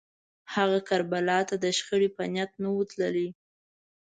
هغه کربلا ته د شخړې په نیت نه و تللی